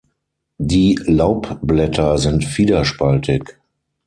Die Laubblätter sind fiederspaltig.